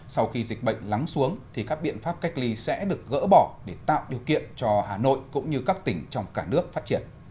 sau khi dịch bệnh lắng xuống thì các biện pháp cách ly sẽ được gỡ bỏ để tạo điều kiện cho hà nội cũng như các tỉnh trong cả nước phát triển